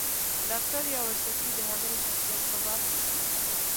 ډاکټر یاورسکي د هغه د شخصیت په باب لیکي.